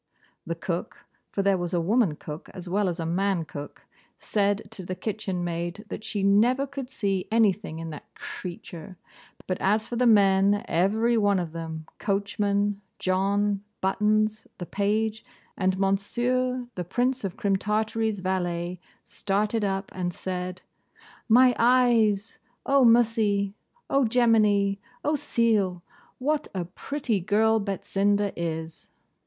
The cook (for there was a woman cook as well as a man cook) said to the kitchen maid that she never could see anything in that creetur: but as for the men, every one of them, Coachman, John, Buttons, the page, and Monsieur, the Prince of Crim Tartary's valet, started up, and said 'My eyes!' } 'O mussey!' } 'What a pretty girl Betsinda is!